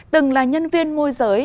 từng là nhân viên ngôi giới